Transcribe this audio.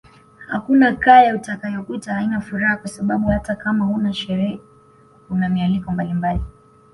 Hakuna kaya utakayokuta haina furaha kwa sababu hata kama huna sherehe kuna mialiko mbalimbali